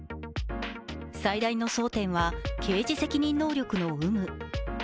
最大の争点は、刑事責任能力の有無。